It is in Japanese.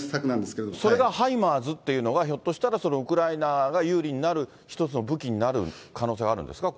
それがハイマーズっていうのが、ひょっとしたら、ウクライナが有利になる一つの武器になる可能性はあるんですか？